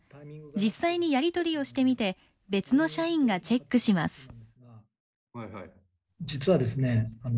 実際にやり取りをしてみて別の社員がチェックします。